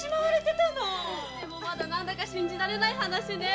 でもまだ何だか信じられない話ね！